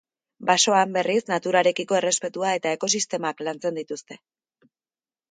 Basoan, berriz, naturarekiko errespetua eta ekosistemak lantzen dituzte.